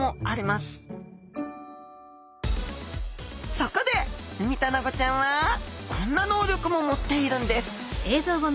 そこでウミタナゴちゃんはこんな能力も持っているんです！